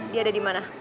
dia ada di mana